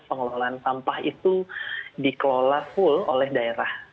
pengelolaan sampah itu dikelola full oleh daerah